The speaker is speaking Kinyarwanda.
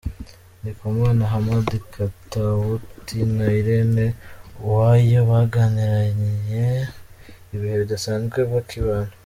Ndikumana Hamad Katauti na Irene Uwoya bagiranye ibihe bidasanzwe bakibana.